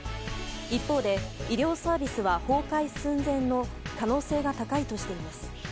一方で医療サービスは崩壊寸前の可能性が高いとしています。